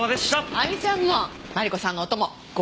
亜美ちゃんもマリコさんのお供ご苦労！